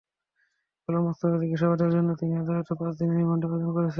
গোলাম মোস্তফাকে জিজ্ঞাসাবাদের জন্য তিনি আদালতে পাঁচ দিনের রিমান্ডের আবেদন করেছেন।